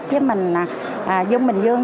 chứ mình dung bình dương